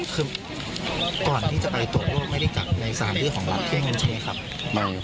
คือก่อนที่จะไปตรวจโรคไม่ได้กัดในสถานที่ของหลักเที่ยงนั้นใช่ไหมครับ